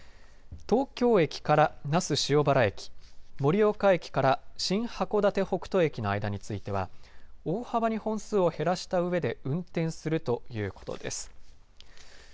東京駅から那須塩原駅盛岡域から新函館北斗駅の間については大幅に本数を減らしたうえで運転するということです。